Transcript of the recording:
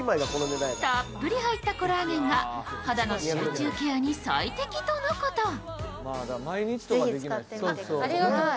たっぷり入ったコラーゲンが肌の集中ケアに最適とのこと。